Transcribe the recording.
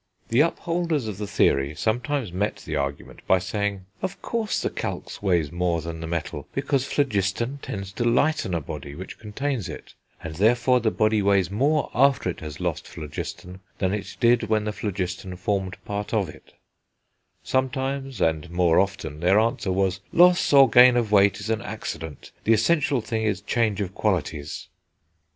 The upholders of the theory sometimes met the argument by saying, "Of course the calx weighs more than the metal, because phlogiston tends to lighten a body which contains it; and therefore the body weighs more after it has lost phlogiston than it did when the phlogiston formed part of it;" sometimes, and more often, their answer was "loss or gain of weight is an accident, the essential thing is change of qualities."